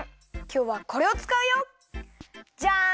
きょうはこれをつかうよ。じゃん！